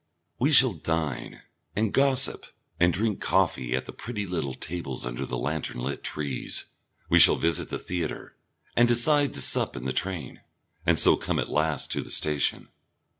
We shall dine and gossip and drink coffee at the pretty little tables under the lantern lit trees, we shall visit the theatre, and decide to sup in the train, and so come at last to the station.